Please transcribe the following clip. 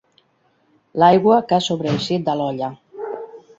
L'aigua que ha sobreeixit de l'olla.